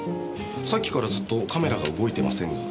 さっきからずっとカメラが動いてませんが。